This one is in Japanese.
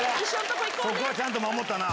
そこはちゃんと守ったな。